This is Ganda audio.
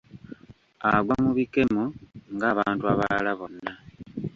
Agwa mu bikemo ng’abantu abalala bonna